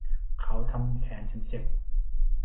เขาทำแขนฉันเจ็บ